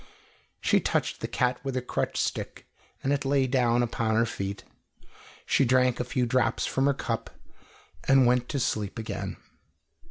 She touched the cat with her crutch stick, and it lay down upon her feet. She drank a few drops from her cup and went to sleep again.